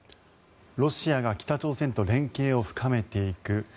ロシアが北朝鮮と連携を深めていく。